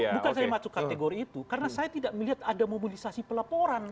bukan saya masuk kategori itu karena saya tidak melihat ada mobilisasi pelaporan